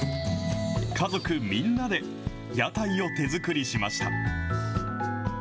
家族みんなで屋台を手作りしました。